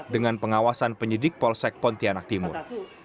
dengan pengawasan penyidik polsek pontianak timur